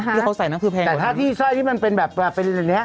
ที่เขาใส่แน็ตคือแพงกว่านั้นแต่ถ้าที่ซ่อยที่มันเป็นแบบเป็นอย่างเนี้ย